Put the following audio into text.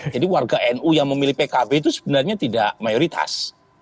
jadi warga nu yang memilih pkb itu sebenarnya tidak mayoritas